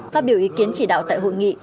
phát biểu ý kiến chỉ đạo tại hội nghị